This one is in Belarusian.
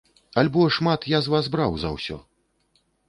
Альбо шмат я з вас браў за ўсё?